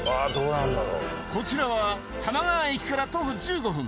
こちらは多摩川駅から徒歩１５分